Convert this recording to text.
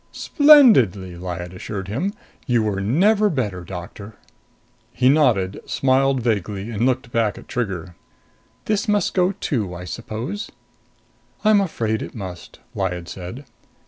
"Splendidly," Lyad assured him. "You were never better, Doctor." He nodded, smiled vaguely and looked back at Trigger. "This must go, too, I suppose?" "I'm afraid it must," Lyad said.